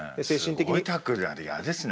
すごいタックルであれ嫌ですね